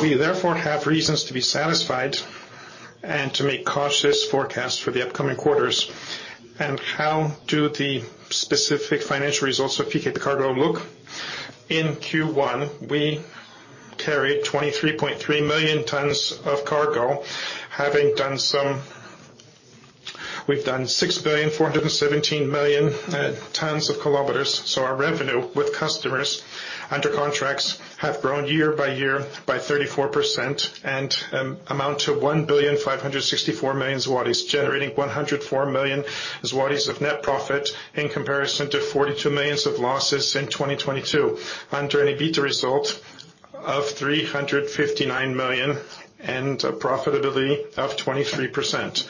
We therefore have reasons to be satisfied and to make cautious forecasts for the upcoming quarters. How do the specific financial results of PKP Cargo look? In Q1, we carried 23.3 million tons of cargo. We've done 6.417 billion tkm, our revenue with customers under contracts have grown year-by-year by 34%, amount to 1.564 billion, generating 104 million zlotys of net profit in comparison to 42 million of losses in 2022 and an EBITDA result of 359 million and a profitability of 23%.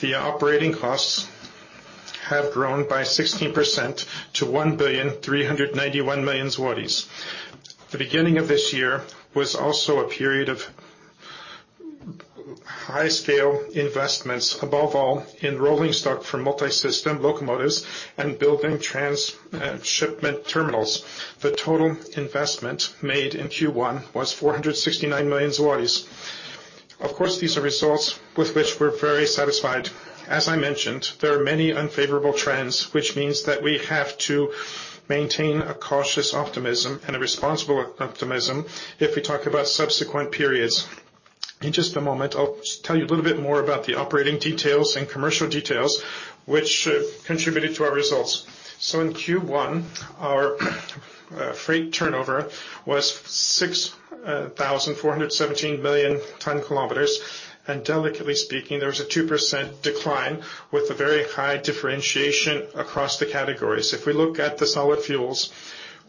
The operating costs have grown by 16% to 1.391 billion zlotys. The beginning of this year was also a period of high scale investments, above all, in rolling stock for multi-system locomotives and building trans shipment terminals. The total investment made in Q1 was 469 million zlotys. Of course, these are results with which we're very satisfied. As I mentioned, there are many unfavorable trends, which means that we have to maintain a cautious optimism and a responsible optimism if we talk about subsequent periods. In just a moment, I'll tell you a little bit more about the operating details and commercial details which contributed to our results. In Q1, our freight turnover was 6,417 million tkm, and delicately speaking, there was a 2% decline with a very high differentiation across the categories. If we look at the solid fuels,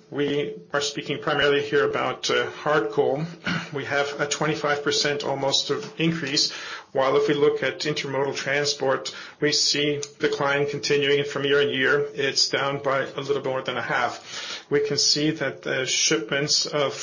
we are speaking primarily here about hard coal. We have a 25% almost of increase, while if we look at intermodal transport, we see decline continuing from year-over-year. It's down by a little more than a half. We can see that the shipments of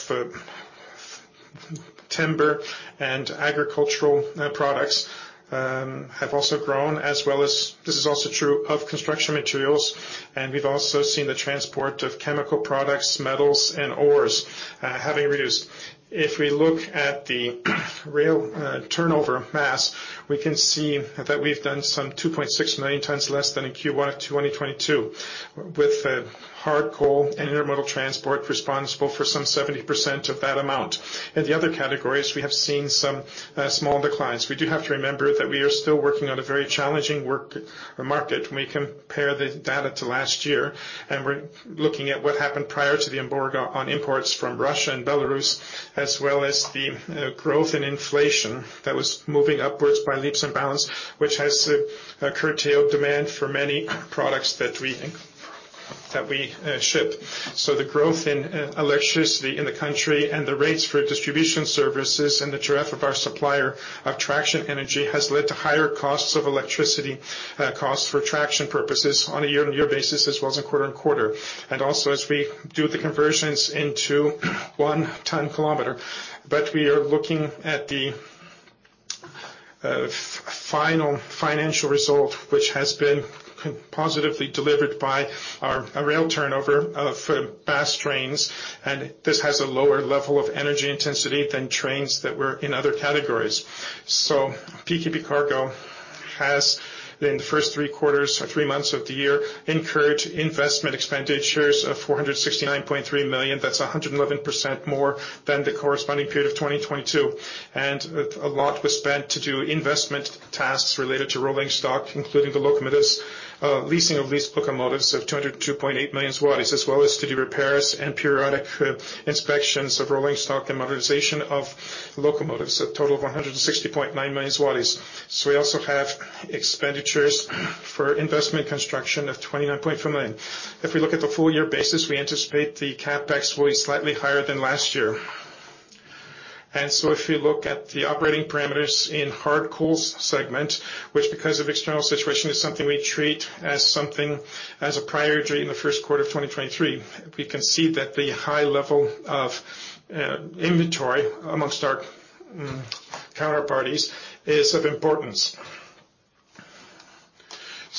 timber and agricultural products have also grown. This is also true of construction materials, we've also seen the transport of chemical products, metals, and ores having reduced. If we look at the rail turnover mass, we can see that we've done some 2.6 million tons less than in Q1 of 2022, with hard coal and intermodal transport responsible for some 70% of that amount. In the other categories, we have seen some small declines. We do have to remember that we are still working on a very challenging work market when we compare the data to last year, and we're looking at what happened prior to the embargo on imports from Russia and Belarus, as well as the growth in inflation that was moving upwards by leaps and bounds, which has curtailed demand for many products that we ship. The growth in electricity in the country and the rates for distribution services and the tariff of our supplier of traction energy, has led to higher costs of electricity, costs for traction purposes on a year-on-year basis, as well as a quarter-on-quarter, and also as we do the conversions into 1 tkm. We are looking at the final financial result, which has been positively delivered by our rail turnover of fast trains, and this has a lower level of energy intensity than trains that were in other categories. PKP Cargo has, in the first three quarters or three months of the year, incurred investment expenditures of 469.3 million. That's 111% more than the corresponding period of 2022, and a lot was spent to do investment tasks related to rolling stock, including the locomotives, leasing of leased locomotives of 202.8 million zlotys, as well as to do repairs and periodic inspections of rolling stock and modernization of locomotives, a total of 160.9 million zlotys. We also have expenditures for investment construction of 29.4 million. If we look at the full year basis, we anticipate the CapEx will be slightly higher than last year. If we look at the operating parameters in hard coal segment, which because of external situation, is something we treat as a priority in the first quarter of 2023, we can see that the high level of inventory amongst our counterparties is of importance.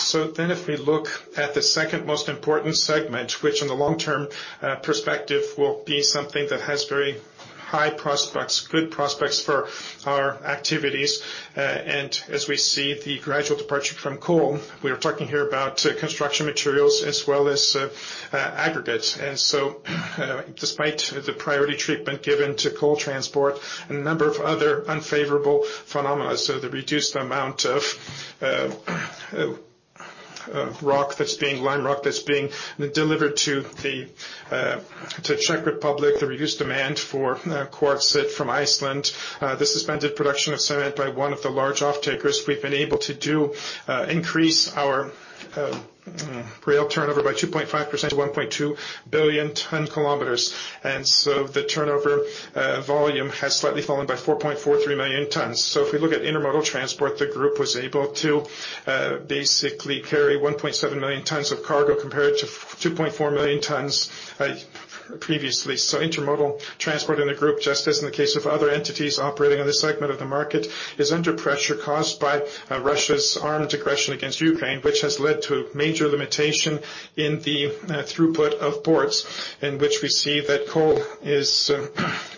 If we look at the second most important segment, which in the long term perspective, will be something that has very high prospects, good prospects for our activities, and as we see the gradual departure from coal, we are talking here about construction materials as well as aggregates. Despite the priority treatment given to coal transport and a number of other unfavorable phenomena, so the reduced amount of rock that's being lime rock that's being delivered to the Czech Republic, the reduced demand for quartz from Iceland, the suspended production of cement by one of the large off-takers, we've been able to do increase our rail turnover by 2.5% to 1.2 billion tkm. The turnover volume has slightly fallen by 4.43 million tons. If we look at intermodal transport, the group was able to basically carry 1.7 million tons of cargo, compared to 2.4 million tons previously. Intermodal transport in the group, just as in the case of other entities operating on this segment of the market, is under pressure caused by Russia's armed aggression against Ukraine, which has led to major limitation in the throughput of ports, in which we see that coal is,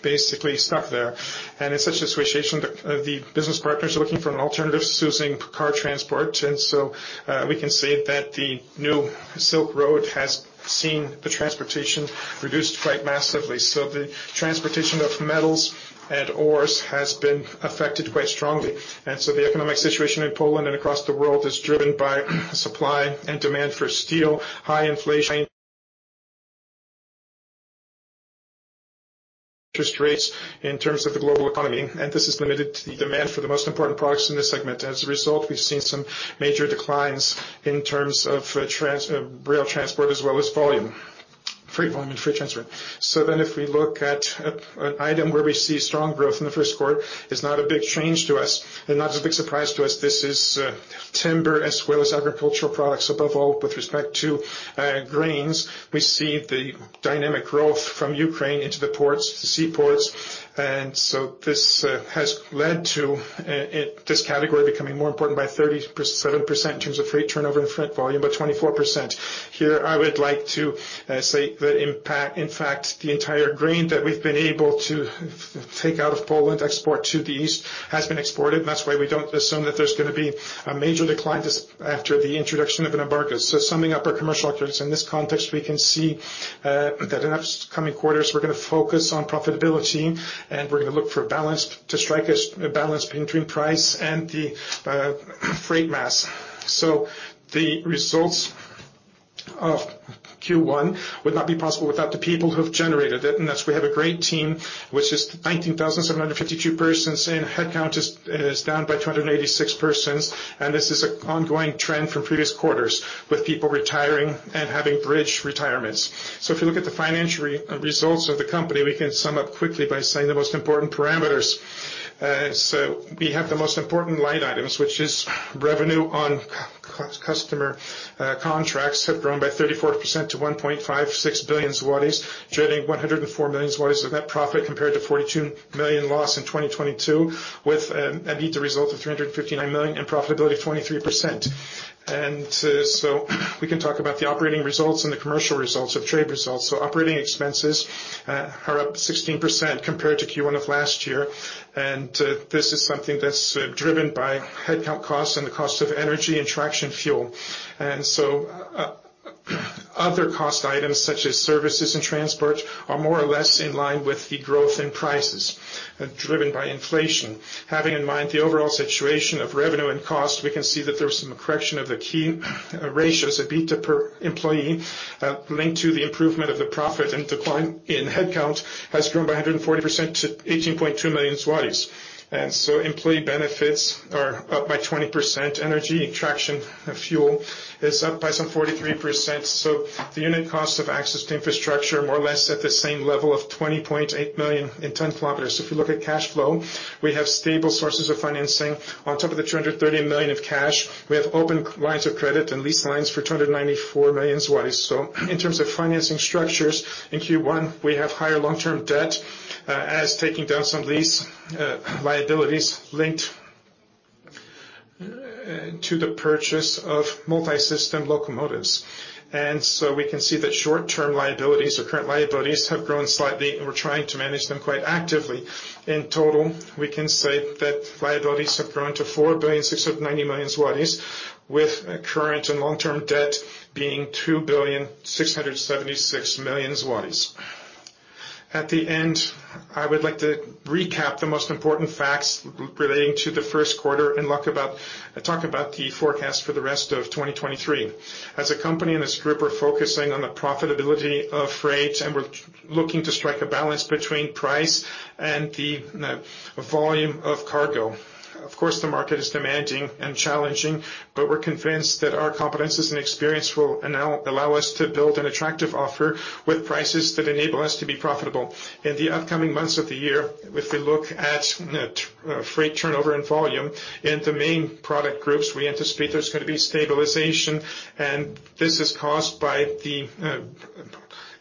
basically stuck there. In such a situation, the business partners are looking for alternatives using car transport. we can say that the New Silk Road has seen the transportation reduced quite massively. The transportation of metals and ores has been affected quite strongly, and so the economic situation in Poland and across the world is driven by supply and demand for steel, high interest rates in terms of the global economy, and this is limited to the demand for the most important products in this segment. As a result, we've seen some major declines in terms of rail transport as well as volume, freight volume, and freight transfer. If we look at an item where we see strong growth in the first quarter, it's not a big change to us and not a big surprise to us. This is timber as well as agricultural products. Above all, with respect to grains, we see the dynamic growth from Ukraine into the ports, the seaports. This has led to this category becoming more important by 37% in terms of freight turnover and freight volume, by 24%. Here, I would like to say that impact, in fact, the entire grain that we've been able to take out of Poland, export to the east, has been exported. That's why we don't assume that there's gonna be a major decline this after the introduction of an embargo. Summing up our commercial activities in this context, we can see that in the next coming quarters, we're gonna focus on profitability, and we're gonna look to strike a balance between price and the freight mass. The results of Q1 would not be possible without the people who have generated it, and that's we have a great team, which is 19,752 persons, and headcount is down by 286 persons. This is an ongoing trend from previous quarters, with people retiring and having bridge retirements. If you look at the financial results of the company, we can sum up quickly by saying the most important parameters. We have the most important line items, which is revenue on customer contracts have grown by 34% to 1.56 billion zlotys, generating 104 million zlotys of net profit compared to 42 million loss in 2022, with an EBITDA result of 359 million and profitability of 23%. We can talk about the operating results and the commercial results of trade results. Operating expenses are up 16% compared to Q1 of last year, this is something that's driven by headcount costs and the cost of energy and traction fuel. Other cost items such as services and transport, are more or less in line with the growth in prices, driven by inflation. Having in mind the overall situation of revenue and cost, we can see that there is some correction of the key, ratios, EBITDA per employee, linked to the improvement of the profit and decline in headcount, has grown by 140% to 18.2 million zlotys. Employee benefits are up by 20%, energy and traction fuel is up by some 43%. The unit cost of access to infrastructure, more or less at the same level of 20.8 million tkm. If you look at cash flow, we have stable sources of financing. On top of the 230 million of cash, we have open lines of credit and lease lines for 294 million. In terms of financing structures, in Q1, we have higher long-term debt, as taking down some lease liabilities linked to the purchase of multi-system locomotives. We can see that short-term liabilities or current liabilities have grown slightly, and we're trying to manage them quite actively. In total, we can say that liabilities have grown to 4.69 billion, with current and long-term debt being 2.676 billion. At the end, I would like to recap the most important facts relating to the first quarter and talk about the forecast for the rest of 2023. As a company and as a group, we're focusing on the profitability of freight, and we're looking to strike a balance between price and the volume of cargo. Of course, the market is demanding and challenging, but we're convinced that our competencies and experience will allow us to build an attractive offer with prices that enable us to be profitable. In the upcoming months of the year, if we look at freight turnover and volume in the main product groups, we anticipate there's gonna be stabilization, and this is caused by the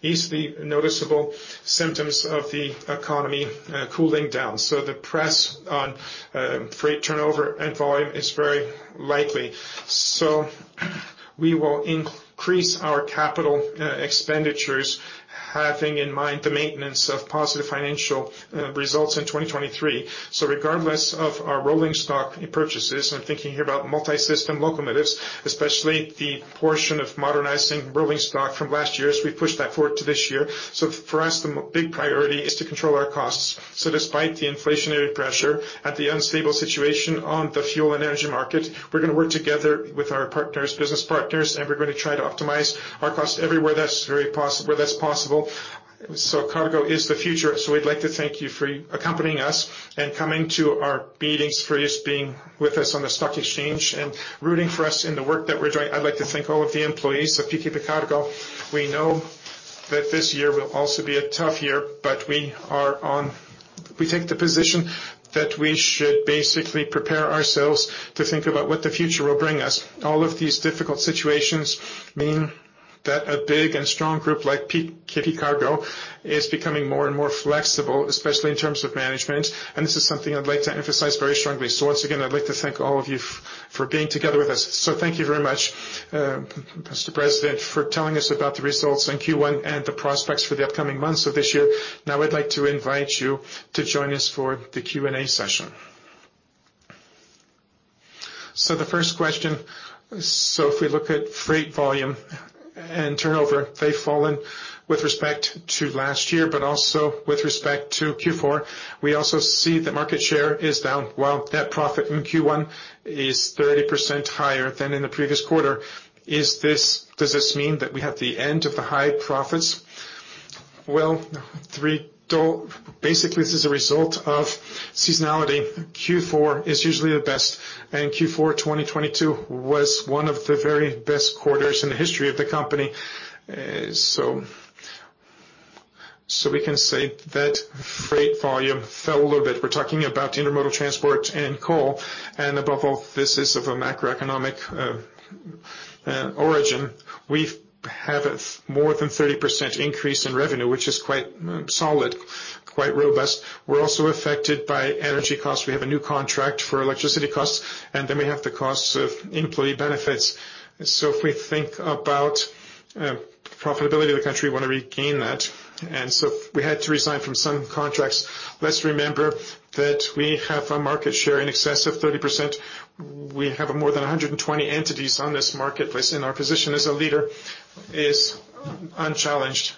easily noticeable symptoms of the economy cooling down. The press on freight turnover and volume is very likely. We will increase our capital expenditures, having in mind the maintenance of positive financial results in 2023. Regardless of our rolling stock purchases, I'm thinking here about multi-system locomotives, especially the portion of modernizing rolling stock from last year, as we push that forward to this year. For us, the big priority is to control our costs. Despite the inflationary pressure and the unstable situation on the fuel and energy market, we're gonna work together with our partners, business partners, and we're gonna try to optimize our costs everywhere that's possible. Cargo is the future, so we'd like to thank you for accompanying us and coming to our meetings, for just being with us on the stock exchange, and rooting for us in the work that we're doing. I'd like to thank all of the employees of PKP Cargo. We know that this year will also be a tough year. We take the position that we should basically prepare ourselves to think about what the future will bring us. All of these difficult situations mean that a big and strong group like PKP Cargo is becoming more and more flexible, especially in terms of management. This is something I'd like to emphasize very strongly. Once again, I'd like to thank all of you for being together with us. Thank you very much, Mr. President, for telling us about the results in Q1 and the prospects for the upcoming months of this year. Now, I'd like to invite you to join us for the Q&A session. The first question: If we look at freight volume and turnover, they've fallen with respect to last year, but also with respect to Q4. We also see that market share is down, while net profit in Q1 is 30% higher than in the previous quarter. Does this mean that we have the end of the high profits? Well, three, though, basically, this is a result of seasonality. Q4 is usually the best, Q4, 2022 was one of the very best quarters in the history of the company. We can say that freight volume fell a little bit. We're talking about intermodal transport and coal, above all, this is of a macroeconomic origin. We have a more than 30% increase in revenue, which is quite solid, quite robust. We're also affected by energy costs. We have a new contract for electricity costs, we have the costs of employee benefits. If we think about profitability of the country, we want to regain that, we had to resign from some contracts. Let's remember that we have a market share in excess of 30%. We have more than 120 entities on this marketplace, our position as a leader is unchallenged.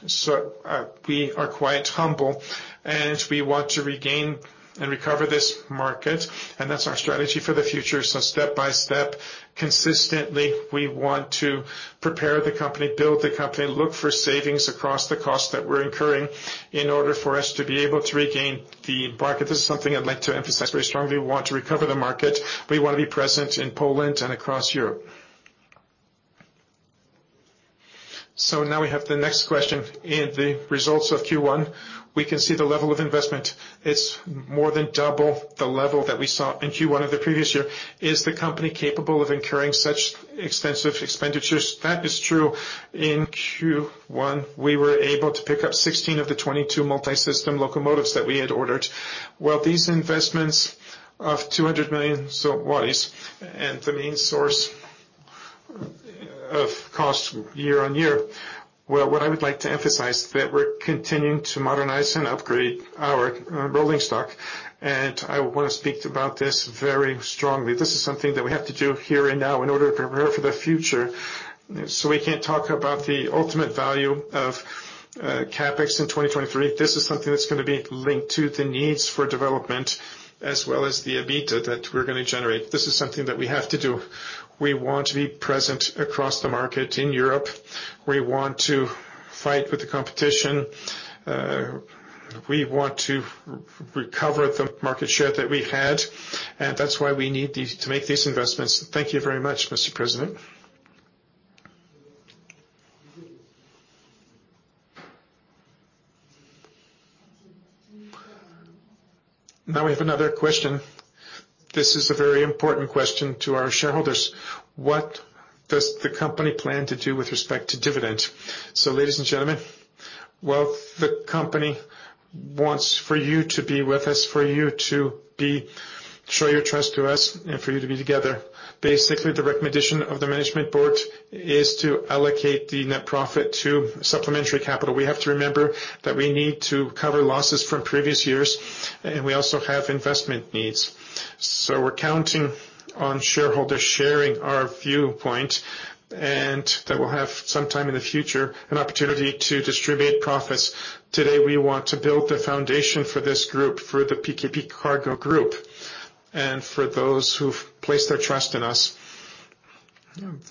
We are quite humble, we want to regain and recover this market, that's our strategy for the future. Step by step, consistently, we want to prepare the company, build the company, look for savings across the costs that we're incurring in order for us to be able to regain the market. This is something I'd like to emphasize very strongly. We want to recover the market. We want to be present in Poland and across Europe. Now we have the next question. In the results of Q1, we can see the level of investment is more than double the level that we saw in Q1 of the previous year. Is the company capable of incurring such extensive expenditures? That is true. In Q1, we were able to pick up 16 of the 22 multi-system locomotives that we had ordered. These investments of 200 million, so wise, and the main source of cost year-on-year. What I would like to emphasize that we're continuing to modernize and upgrade our rolling stock, and I want to speak about this very strongly. This is something that we have to do here and now in order to prepare for the future. We can't talk about the ultimate value of CapEx in 2023. This is something that's gonna be linked to the needs for development as well as the EBITDA that we're gonna generate. This is something that we have to do. We want to be present across the market in Europe. We want to fight with the competition. We want to recover the market share that we had, and that's why we need to make these investments. Thank you very much, Mr. President. Now we have another question. This is a very important question to our shareholders: What does the company plan to do with respect to dividend? Ladies and gentlemen, well, the company wants for you to be with us, for you to be, show your trust to us, and for you to be together. Basically, the recommendation of the management board is to allocate the net profit to supplementary capital. We have to remember that we need to cover losses from previous years, and we also have investment needs. We're counting on shareholders sharing our viewpoint, and that we'll have, sometime in the future, an opportunity to distribute profits. Today, we want to build the foundation for this group, for the PKP Cargo Group, and for those who've placed their trust in us,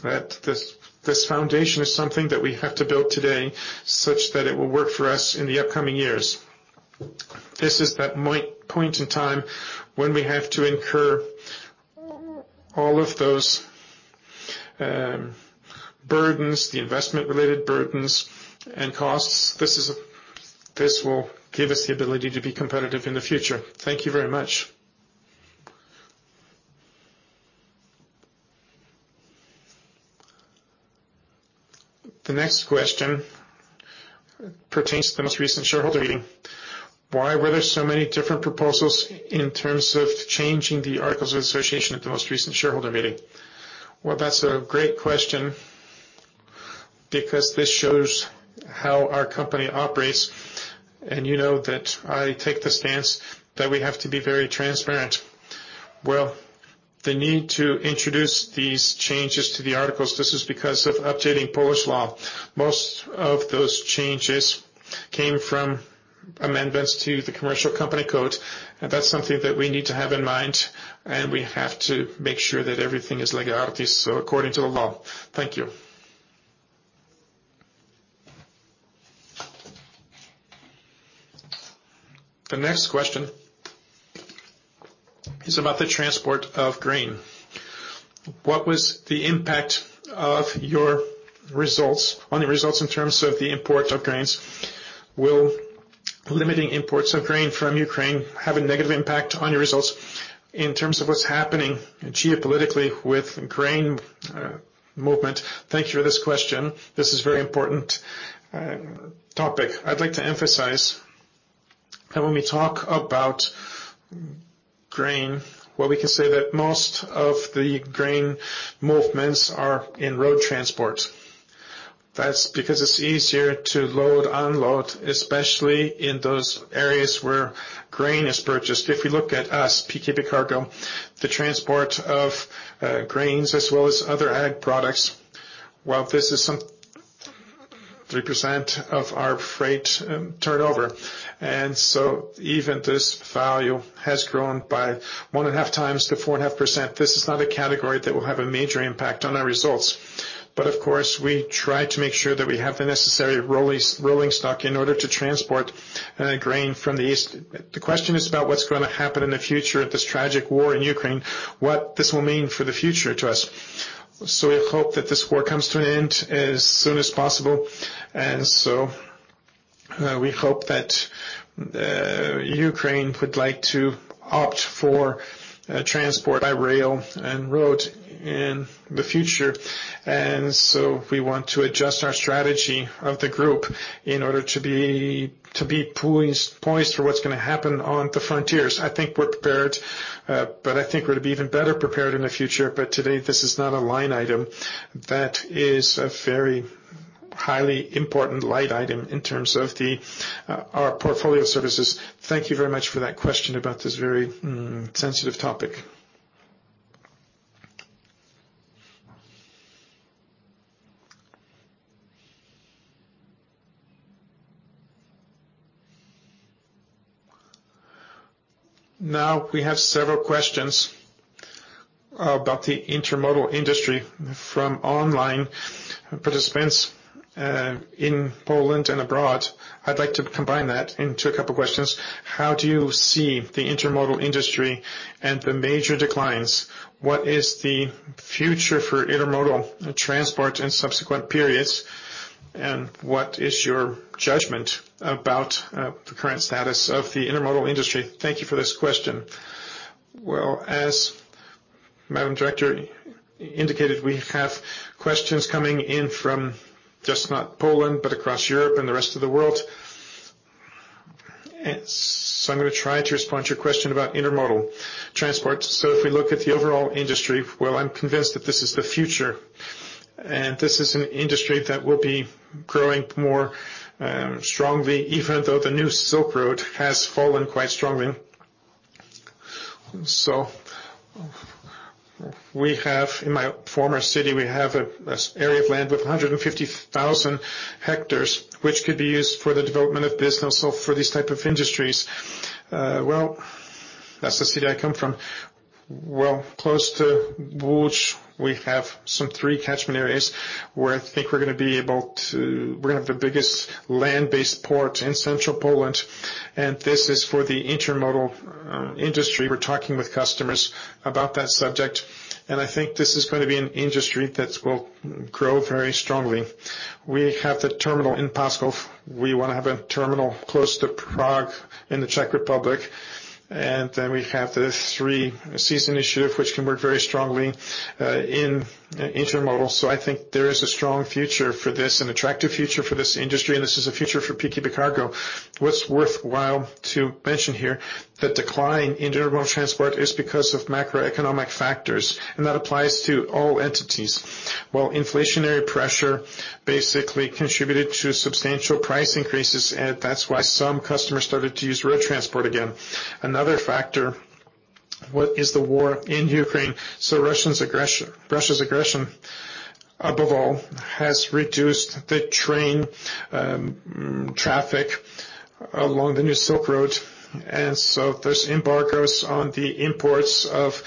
that this foundation is something that we have to build today such that it will work for us in the upcoming years. This is that point in time when we have to incur all of those burdens, the investment-related burdens and costs. This will give us the ability to be competitive in the future. Thank you very much. The next question pertains to the most recent shareholder meeting. Why were there so many different proposals in terms of changing the articles of association at the most recent shareholder meeting? Well, that's a great question because this shows how our company operates, and you know that I take the stance that we have to be very transparent. Well, the need to introduce these changes to the articles, this is because of updating Polish law. Most of those changes came from amendments to the Commercial Company Code, and that's something that we need to have in mind, and we have to make sure that everything is legalities, so according to the law. Thank you. The next question is about the transport of grain. What was the impact of your on the results in terms of the import of grains? Will limiting imports of grain from Ukraine have a negative impact on your results in terms of what's happening geopolitically with grain movement? Thank you for this question. This is very important topic. I'd like to emphasize that when we talk about grain, well, we can say that most of the grain movements are in road transport. That's because it's easier to load, unload, especially in those areas where grain is purchased. If we look at us, PKP Cargo, the transport of grains as well as other ag products, while this is some 3% of our freight turnover, even this value has grown by 1.5x to 4.5%. This is not a category that will have a major impact on our results. Of course, we try to make sure that we have the necessary rolling stock in order to transport-... and then grain from the east. The question is about what's gonna happen in the future of this tragic war in Ukraine, what this will mean for the future to us? We hope that this war comes to an end as soon as possible. We hope that Ukraine would like to opt for transport by rail and road in the future. We want to adjust our strategy of the Group in order to be poised for what's gonna happen on the frontiers. I think we're prepared, but I think we're to be even better prepared in the future. Today, this is not a line item that is a very highly important line item in terms of the our portfolio services. Thank you very much for that question about this very sensitive topic. We have several questions about the intermodal industry from online participants in Poland and abroad. I'd like to combine that into a couple questions. How do you see the intermodal industry and the major declines? What is the future for intermodal transport in subsequent periods? What is your judgment about the current status of the intermodal industry? Thank you for this question. As Madam Director indicated, we have questions coming in from just not Poland, but across Europe and the rest of the world. I'm gonna try to respond to your question about intermodal transport. If we look at the overall industry, well, I'm convinced that this is the future, and this is an industry that will be growing more strongly, even though the New Silk Road has fallen quite strongly. We have in my former city, we have a area of land with 150,000 hectares, which could be used for the development of business, so for these type of industries. Well, that's the city I come from. Well, close to Lodz, we have some three catchment areas where I think we're gonna have the biggest land-based port in central Poland, and this is for the intermodal industry. We're talking with customers about that subject, and I think this is gonna be an industry that will grow very strongly. We have the terminal in Paskov. We want to have a terminal close to Prague, in the Czech Republic. We have the Three Seas Initiative, which can work very strongly in intermodal. I think there is a strong future for this, an attractive future for this industry. This is a future for PKP Cargo. What's worthwhile to mention here, the decline in intermodal transport is because of macroeconomic factors. That applies to all entities. Inflationary pressure basically contributed to substantial price increases. That's why some customers started to use road transport again. Another factor, what is the war in Ukraine. Russia's aggression, above all, has reduced the train traffic along the New Silk Road. There's embargoes on the imports of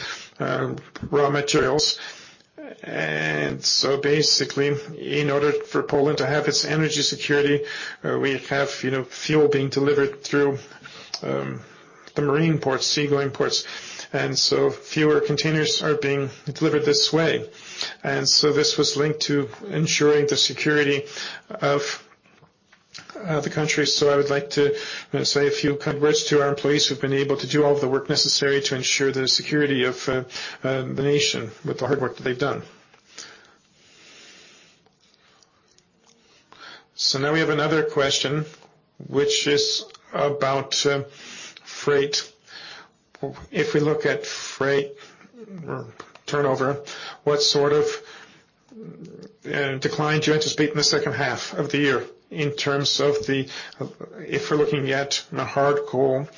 raw materials. Basically, in order for Poland to have its energy security, we have, you know, fuel being delivered through the marine ports, seagoing ports, and so fewer containers are being delivered this way. This was linked to ensuring the security of the country. I would like to say a few congrats to our employees who've been able to do all the work necessary to ensure the security of the nation with the hard work that they've done. Now we have another question, which is about freight. If we look at freight turnover, what sort of decline do you anticipate in the second half of the year? If we're looking at the hard coal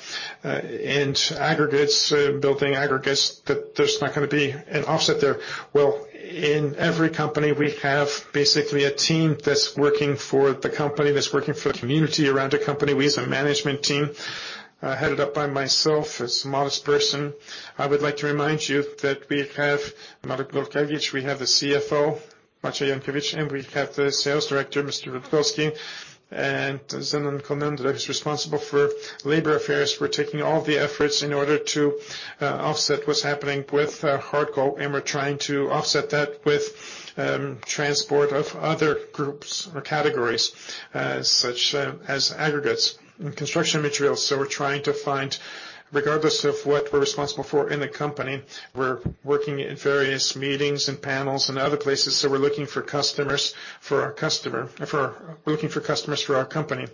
and aggregates, building aggregates, that there's not gonna be an offset there? Well, in every company, we have basically a team that's working for the company, that's working for the community around the company. We as a management team, headed up by myself, this modest person. I would like to remind you that we have Marek Olkiewicz, we have the CFO, Maciej Jankiewicz, and we have the sales director, Mr. Rutkowski, and Zenon Kozendra, who is responsible for labor affairs. We're taking all the efforts in order to offset what's happening with hard coal, and we're trying to offset that with transport of other groups or categories, such as, aggregates and construction materials. We're trying to find, regardless of what we're responsible for in the company, we're working in various meetings and panels and other places. We're looking for customers for our company.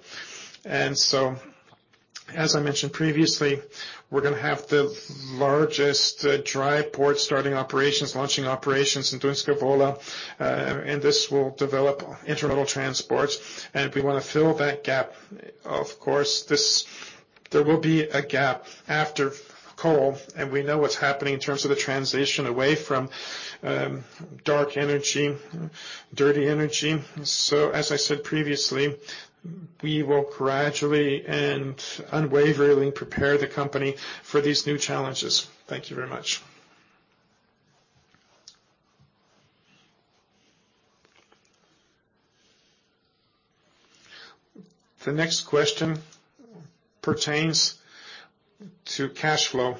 As I mentioned previously, we're gonna have the largest dry port, starting operations, launching operations in Zduńska Wola, and this will develop intermodal transport, and we wanna fill that gap. There will be a gap after coal, and we know what's happening in terms of the transition away from dark energy, dirty energy. As I said previously, we will gradually and unwaveringly prepare the company for these new challenges. Thank you very much. The next question pertains to cash flow,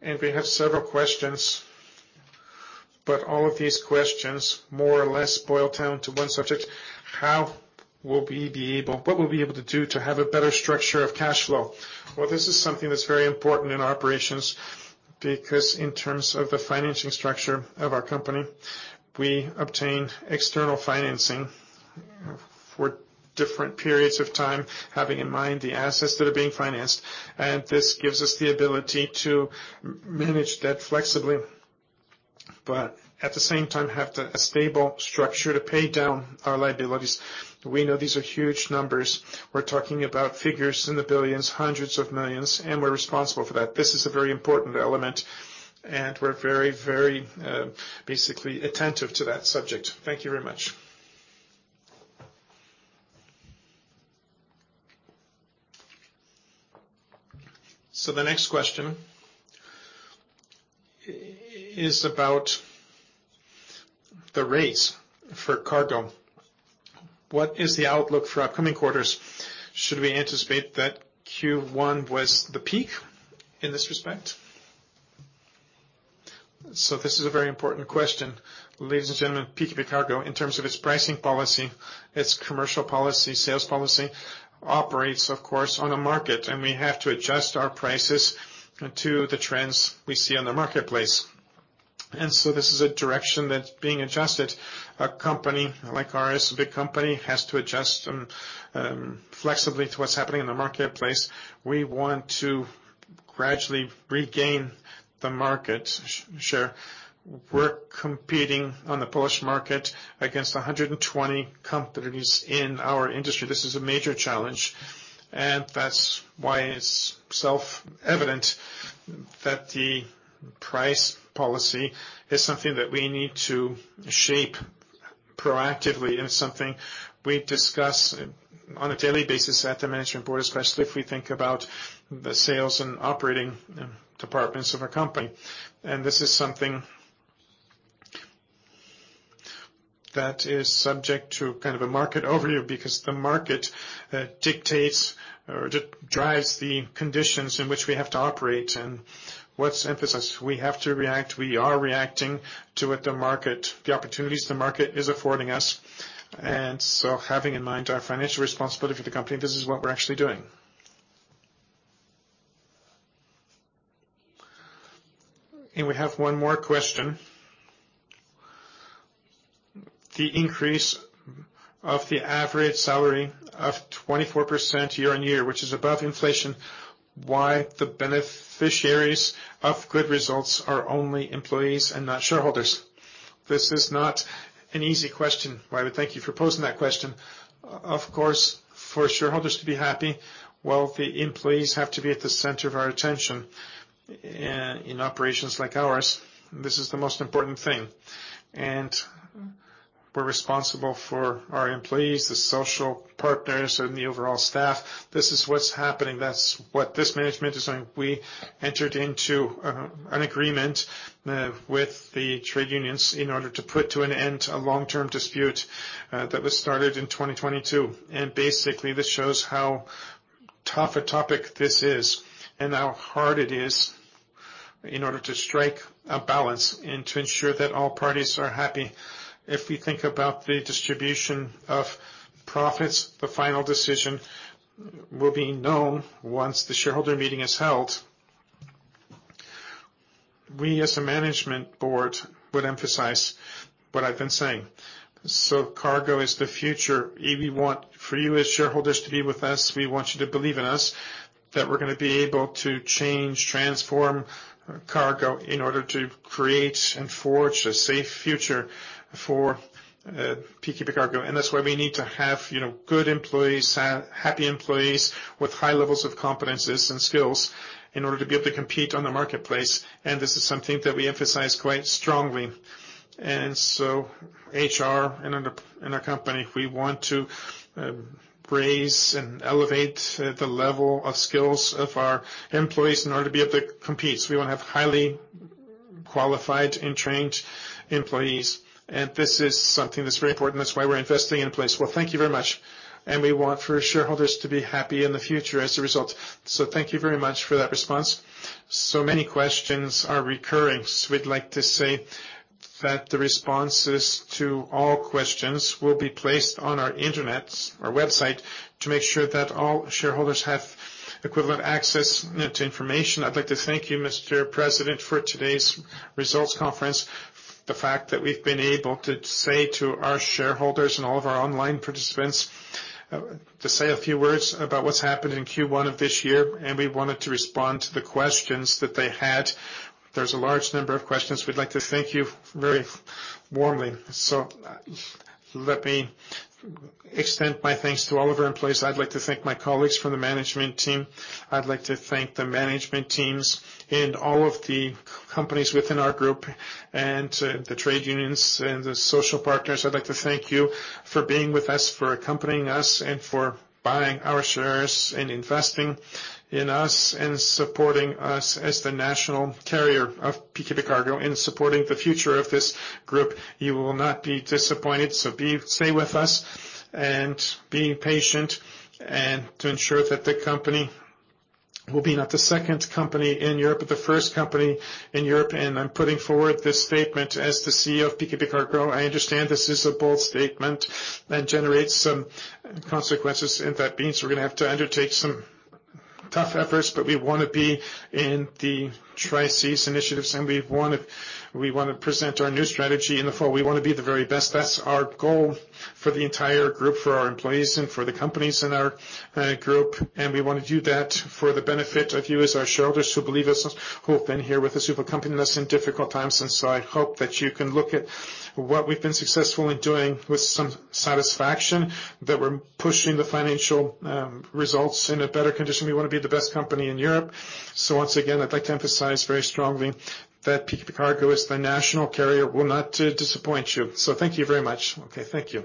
and we have several questions, but all of these questions, more or less, boil down to one subject: What we'll be able to do to have a better structure of cash flow? Well, this is something that's very important in operations, because in terms of the financing structure of our company, we obtain external financing for different periods of time, having in mind the assets that are being financed. This gives us the ability to manage debt flexibly, but at the same time, have to a stable structure to pay down our liabilities. We know these are huge numbers. We're talking about figures in the billions, hundreds of millions, and we're responsible for that. This is a very important element, and we're very, very, basically attentive to that subject. Thank you very much. The next question is about the rates for cargo. What is the outlook for upcoming quarters? Should we anticipate that Q1 was the peak in this respect? This is a very important question. Ladies and gentlemen, PKP Cargo, in terms of its pricing policy, its commercial policy, sales policy, operates, of course, on a market, and we have to adjust our prices to the trends we see on the marketplace. This is a direction that's being adjusted. A company like ours, a big company, has to adjust flexibly to what's happening in the marketplace. We want to gradually regain the market share. We're competing on the Polish market against 120 companies in our industry. This is a major challenge, and that's why it's self-evident that the price policy is something that we need to shape proactively. It's something we discuss on a daily basis at the management board, especially if we think about the sales and operating departments of a company. This is something that is subject to kind of a market overview, because the market dictates or drives the conditions in which we have to operate and what's emphasis. We have to react. We are reacting to what the market, the opportunities the market is affording us. Having in mind our financial responsibility for the company, this is what we're actually doing. We have one more question. The increase of the average salary of 24% year-on-year, which is above inflation, why the beneficiaries of good results are only employees and not shareholders? This is not an easy question. I would thank you for posing that question. Of course, for shareholders to be happy, well, the employees have to be at the center of our attention. In operations like ours, this is the most important thing, and we're responsible for our employees, the social partners, and the overall staff. This is what's happening. That's what this management is doing. We entered into an agreement with the trade unions in order to put to an end a long-term dispute that was started in 2022. Basically, this shows how tough a topic this is and how hard it is in order to strike a balance and to ensure that all parties are happy. If we think about the distribution of profits, the final decision will be known once the shareholder meeting is held. We, as a management board, would emphasize what I've been saying. Cargo is the future. We want for you, as shareholders, to be with us. We want you to believe in us, that we're gonna be able to change, transform cargo in order to create and forge a safe future for PKP Cargo. That's why we need to have, you know, good employees, happy employees with high levels of competencies and skills in order to be able to compete on the marketplace, and this is something that we emphasize quite strongly. HR in our company, we want to raise and elevate the level of skills of our employees in order to be able to compete. We want to have highly qualified and trained employees, and this is something that's very important. That's why we're investing in place. Well, thank you very much. We want for our shareholders to be happy in the future as a result. Thank you very much for that response. Many questions are recurring, we'd like to say that the responses to all questions will be placed on our internet, our website, to make sure that all shareholders have equivalent access to information. I'd like to thank you, Mr. President, for today's results conference. The fact that we've been able to say to our shareholders and all of our online participants, to say a few words about what's happened in Q1 of this year, we wanted to respond to the questions that they had. There's a large number of questions. We'd like to thank you very warmly. Let me extend my thanks to all of our employees. I'd like to thank my colleagues from the management team. I'd like to thank the management teams in all of the companies within our group and to the trade unions and the social partners. I'd like to thank you for being with us, for accompanying us, and for buying our shares and investing in us, and supporting us as the national carrier of PKP Cargo, and supporting the future of this group. You will not be disappointed, so stay with us and be patient and to ensure that the company will be not the second company in Europe, but the first company in Europe. I'm putting forward this statement as the CEO of PKP Cargo. I understand this is a bold statement and generates some consequences, and that being, so we're gonna have to undertake some tough efforts, but we wanna be in the Three Seas Initiative, and we wanna present our new strategy in the fall. We wanna be the very best. That's our goal for the entire group, for our employees, and for the companies in our group. We wanna do that for the benefit of you as our shareholders who believe in us, who have been here with us, who've accompanied us in difficult times. I hope that you can look at what we've been successful in doing with some satisfaction, that we're pushing the financial results in a better condition. We wanna be the best company in Europe. Once again, I'd like to emphasize very strongly that PKP Cargo is the national carrier, we'll not to disappoint you. Thank you very much. Okay, thank you.